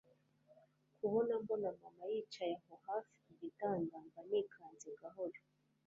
kubona mbona mama yicaye aho hafi kugitanda mba nikanze gahoro